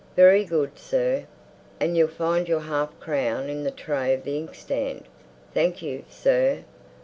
"Very good, sir." "And you'll find your half crown in the tray of the inkstand." "Thank you, sir."